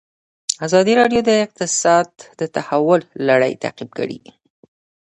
ازادي راډیو د اقتصاد د تحول لړۍ تعقیب کړې.